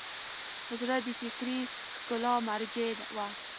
زړه د فکري ښکلا مرجع ده.